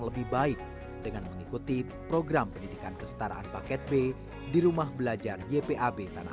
lebih baik dengan mengikuti program pendidikan kesetaraan paket b di rumah belajar ypab tanah